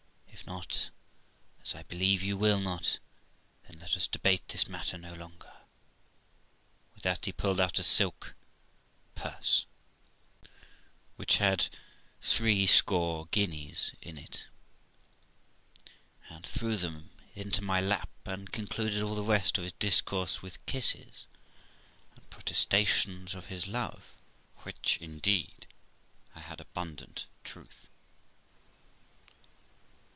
If not, as I believe you will not, then let us debate this matter no longer.' With that he pulled out a silk purse, which had threescore guineas in it, and threw them into my lap, and concluded all the rest of his discourse with kisses and protestations of his love, of which indeed I had abundant proof.